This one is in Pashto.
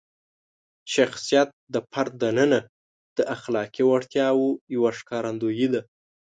شخصیت د فرد دننه د اخلاقي وړتیاوو یوه ښکارندویي ده.